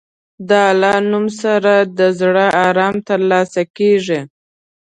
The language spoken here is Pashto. د الله نوم سره د زړه ارام ترلاسه کېږي.